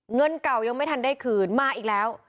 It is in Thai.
เงินเก่ายังไม่ทันได้คืนมาอีกแล้ว